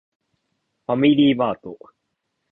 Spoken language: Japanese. ファミリーマート